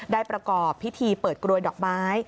ประกอบพิธีเปิดกรวยดอกไม้